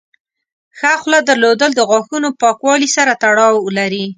ښه خوله درلودل د غاښونو پاکوالي سره تړاو لري.